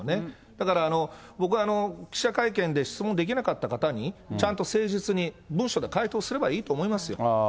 だから僕、記者会見で質問できなかった方に、ちゃんと誠実に文書で回答すればいいと思いますよ。